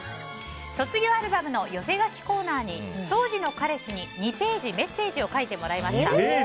卒業アルバムの寄せ書きコーナーに当時の彼氏に２ページメッセージを書いてもらいました。